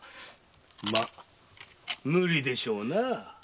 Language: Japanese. マ無理でしょうなぁ。